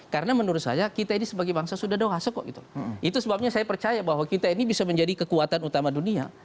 karena menurut saya kita ini sebagai bangsa sudah do'a seko gitu itu sebabnya saya percaya bahwa kita ini bisa menjadi kekuatan utama dunia